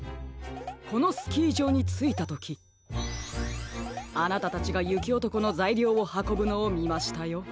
このスキーじょうについたときあなたたちがゆきおとこのざいりょうをはこぶのをみましたよ。